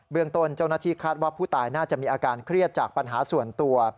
เรื่องต้นเจ้าหน้าที่คาดว่าผู้ตายน่าจะมีอาการเครียดจากปัญหาส่วนตัว